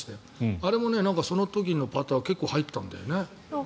あれもその時のパター結構入ったんだよね。